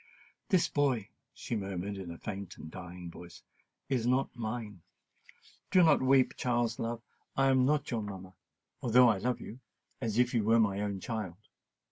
"This boy," she murmured in a faint and dying voice, "is not mine. Do not weep, Charles, love—I am not your mamma——although I love you——as if you was my own child.